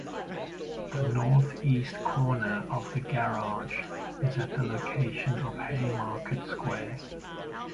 The northeast corner of the garage is at the location of Haymarket Square.